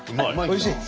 おいしい？